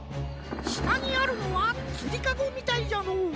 したにあるのはつりかごみたいじゃのう。